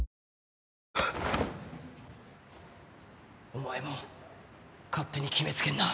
お前も勝手に決めつけんな！